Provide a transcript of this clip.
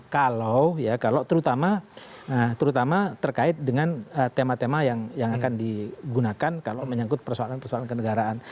kalau ya kalau terutama terkait dengan tema tema yang akan digunakan kalau menyangkut persoalan persoalan kenegaraan